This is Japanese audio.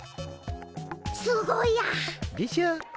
すごいや！でしょ。